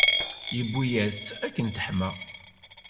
Yewwi-yas-tt akken teḥma.